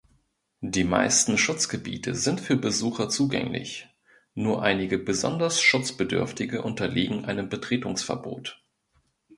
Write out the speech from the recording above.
Die meisten Schutzgebiete sind für Besucher zugänglich, nur einige besonders schutzbedürftige unterliegen einem Betretungsverbot.